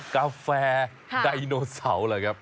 กาแฟดีโนเสาหรือครับ